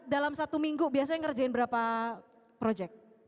dalam satu minggu biasanya ngerjain berapa project